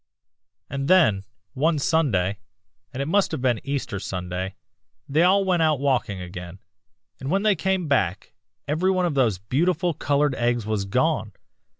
"'And then, one Sunday, and it must have been Easter Sunday, they all went out walking again, and when they came back every one of those beautiful colored eggs was gone.